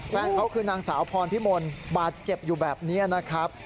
แฟนเขาคือนางสาวพรพิมลบาดเจ็บอยู่แบบนี้นะครับ